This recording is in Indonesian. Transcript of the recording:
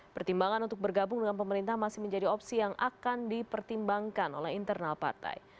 pertimbangan untuk bergabung dengan pemerintah masih menjadi opsi yang akan dipertimbangkan oleh internal partai